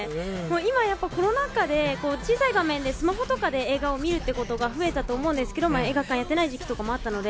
今、やっぱりコロナ禍で、小さい画面で、スマホとかで映画を見るっていうことが増えたと思うんですけども、映画館やってない時期とかもあったので。